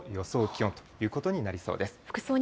気温ということになりそうです。